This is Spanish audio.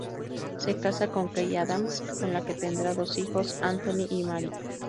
Se casa con Kay Adams, con la que tendrá dos hijos: Anthony y Mary.